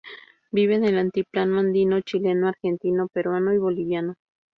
Vive en el altiplano andino chileno, argentino, peruano y boliviano.